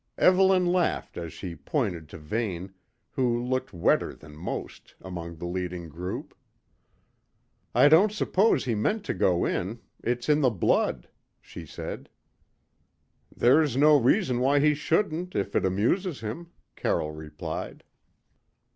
Evelyn laughed as she pointed to Vane, who looked wetter than most, among the leading group. "I don't suppose he meant to go in. It's in the blood," she said. "There's no reason why he shouldn't, if it amuses him," Carroll replied.